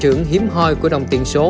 trong thời gian hiếm hoi của đồng tiền số